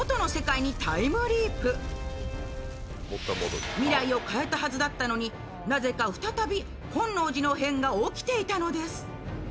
そして未来を変えたはずだったのに、なぜか再び本能寺の変が起きていたのです。